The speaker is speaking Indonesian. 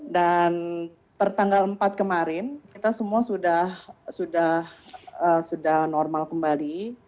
dan pertanggal empat kemarin kita semua sudah normal kembali